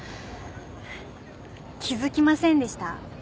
気付きませんでした？